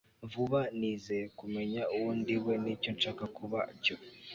vuba, nizeye kumenya uwo ndiwe n'icyo nshaka kuba cyo